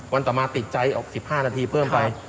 ต่อมาติดใจออก๑๕นาทีเพิ่มไป